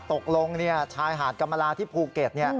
ตกลงชายหาดกรรมลาที่ภูเก็ต